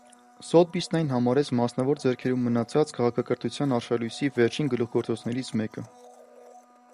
Սոթբիսն այն համարեց մասնավոր ձեռքերում մնացած «քաղաքակրթության արշալույսի վերջին գլուխգործոցներից մեկը»։